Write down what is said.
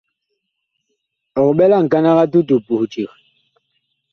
Ɔg ɓɛ la ŋkanag a tutu puh eceg.